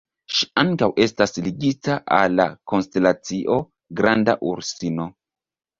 Ŝi ankaŭ estas ligita al la konstelacio Granda Ursino.